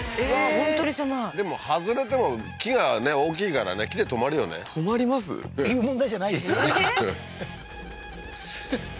本当に狭いでも外れても木がね大きいからね木で止まるよね止まります？っていう問題じゃないですよね